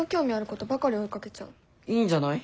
いいんじゃない？